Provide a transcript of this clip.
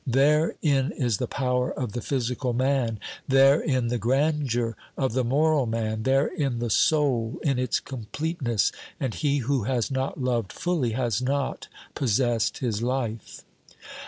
Therein is the power of the physical man, therein the grandeur of the moral man, therein the soul in its complete ness, and he who has not loved fully has not possessed his life.